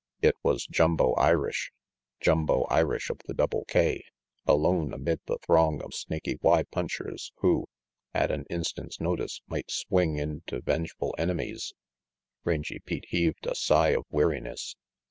It was Jumbo Irish. Jumbo Irish of the Double K, alone amid the throng of Snaky Y punchers who, at an instant's notice, might swing into vengeful enemies ! Rangy Pete heaved a sigh of weariness.